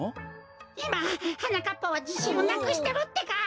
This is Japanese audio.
いまはなかっぱはじしんをなくしてるってか！